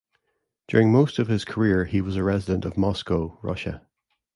During most of his career he was a resident of Moscow, Russia.